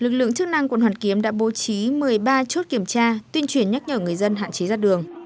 lực lượng chức năng quận hoàn kiếm đã bố trí một mươi ba chốt kiểm tra tuyên truyền nhắc nhở người dân hạn chế ra đường